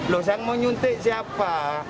loh saya mau nyuntik siapa